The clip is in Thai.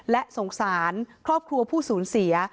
และสงสารครอบครัวผู้สูญเสีย